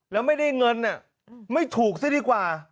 แล้วไม่ได้เงินไม่ถูกซะดีกว่า